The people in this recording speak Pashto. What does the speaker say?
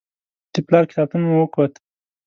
د پلار کتابتون مو وکت.